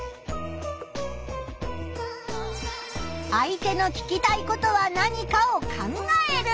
相手の聞きたいことは何かを考える。